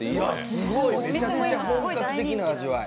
すごい、めちゃくちゃ本格的な味わい。